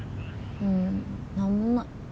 うんなんもない。